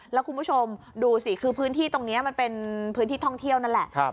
แล้วคุณผู้ชมดูสิคือพื้นที่ตรงนี้มันเป็นพื้นที่ท่องเที่ยวนั่นแหละ